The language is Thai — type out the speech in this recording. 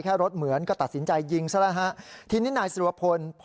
รถเหมือนก็ตัดสินใจยิงซะแล้วฮะทีนี้นายสุรพลพอ